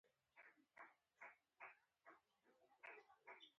دوستم د ازبکو د افغان توکم نماینده وبولي.